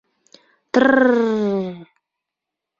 — Трр-р!